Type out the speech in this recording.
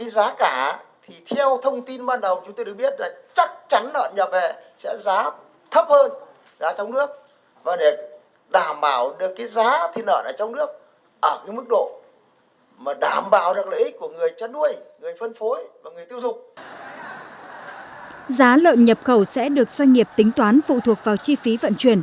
giá lợn nhập khẩu sẽ được doanh nghiệp tính toán phụ thuộc vào chi phí vận chuyển